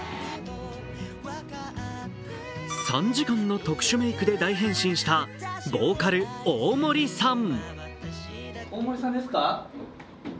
３時間の特殊メイクで大変身したボーカル・大森さん。